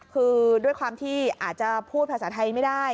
คือด้วยความที่อาจจะพูดภาษาไทยไม่ได้